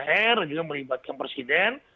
dan juga melibatkan presiden